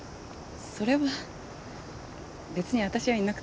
それは別に私はいなくても。